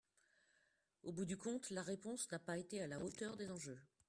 Au bout du compte, la réponse n’a pas été à la hauteur des enjeux.